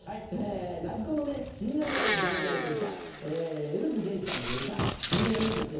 落語の『死神』を題材とした米津玄師さんの歌『死神』がですね